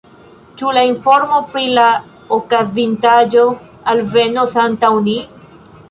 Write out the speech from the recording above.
Ĉu la informo pri la okazintaĵo alvenos antaŭ ni?